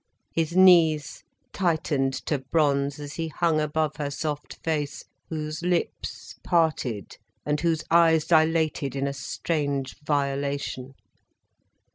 His knees tightened to bronze as he hung above her soft face, whose lips parted and whose eyes dilated in a strange violation.